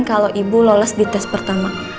kalau ibu lolos di tes pertama